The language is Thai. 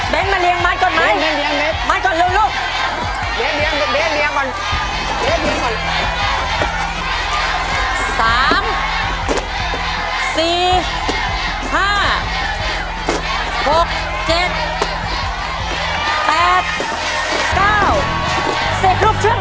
แบงค์มาเลี้ยงมัดก่อนไหม